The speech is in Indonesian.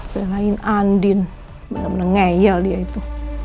belain andin bener bener ngeyel dia itu